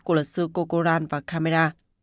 của luật sư corcoran và camara